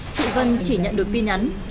chị vân chỉ nhận được tin nhắn